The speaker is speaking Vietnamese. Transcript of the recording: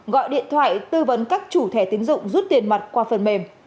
gọi điện thoại tư vấn các chủ thẻ tiến dụng rút tiền mặt qua phần mềm